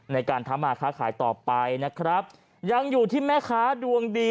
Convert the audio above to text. ในการทำมาค้าขายต่อไปนะครับยังอยู่ที่แม่ค้าดวงดี